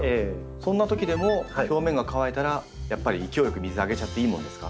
そんなときでも表面が乾いたらやっぱり勢いよく水あげちゃっていいもんですか？